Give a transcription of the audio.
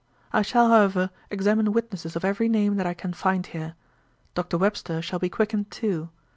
I shall, however, examine witnesses of every name that I can find here. Dr. Webster shall be quickened too.